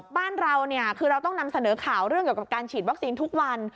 บ้านเราคือเราต้องนำเสนอข่าวเรื่องเกี่ยวกับการฉีดวัคซีนทุกวัน